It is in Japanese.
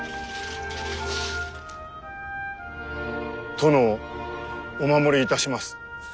殿をお守りいたします。